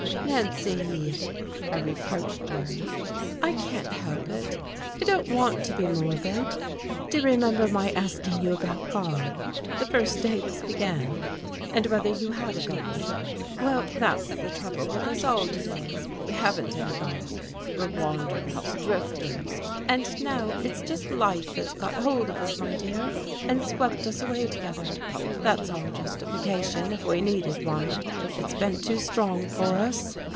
"Nancy!" I reproached her. "I can't help it I don't want to be morbid. Do you remember my asking you about God? the first day this began? and whether you had a god? Well, that's the trouble with us all to day, we haven't any God, we're wanderers, drifters. And now it's just life that's got hold of us, my dear, and swept us away together. That's our justification if we needed one it's been too strong for us."